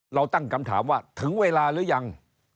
เราตั้งคำถามว่าถึงเวลาหรือยัง